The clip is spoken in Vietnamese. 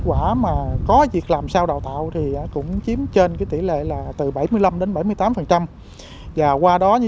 quả mà có việc làm sao đào tạo thì cũng chiếm trên cái tỷ lệ là từ bảy mươi năm đến bảy mươi tám và qua đó